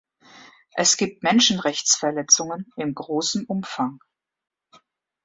Es gibt Menschenrechtsverletzungen in großem Umfang.